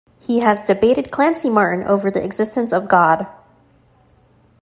He has debated Clancy Martin over the existence of God.